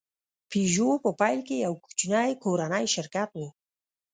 پيژو په پیل کې یو کوچنی کورنی شرکت و.